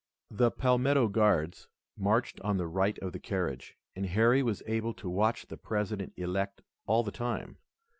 The Palmetto Guards marched on the right of the carriage, and Harry was able to watch the President elect all the time.